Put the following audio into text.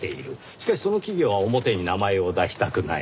しかしその企業は表に名前を出したくない。